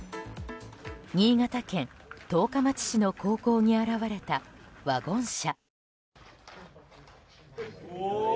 新潟県十日町市の高校に現れたワゴン車。